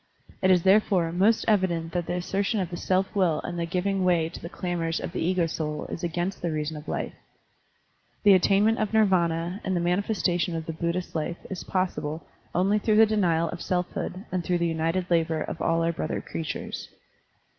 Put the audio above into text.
It is therefore most evident that the assertion of the self will and the giving way to the clamors of the ego soul is against the reason of life. The attainment of NirvS, na and the manifestation of the Buddhist life is possible Digitized by Google no SERMONS OF A BUDDHIST ABBOT only through the denial of selfhood and through the united labor of all our brother creatures.